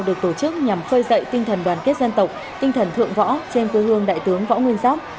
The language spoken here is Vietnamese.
được tổ chức nhằm khơi dậy tinh thần đoàn kết dân tộc tinh thần thượng võ trên quê hương đại tướng võ nguyên giáp